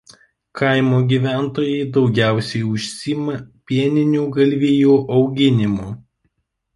Kaimo gyventojai daugiausiai užsiima pieninių galvijų auginimu.